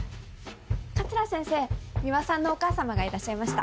桂先生ミワさんのお母様がいらっしゃいました。